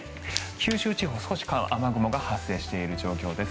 九州地方、少し雨雲が発生している状況です。